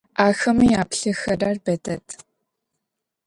Ахэмэ яплъыхэрэр бэ дэд.